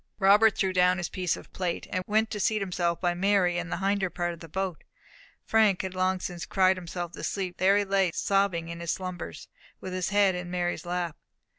Robert threw down his piece of plate, and went to seat himself by Mary, in the hinder part of the boat. Frank had long since cried himself to sleep, and there he lay sobbing in his slumbers, with his head in Mary's lap.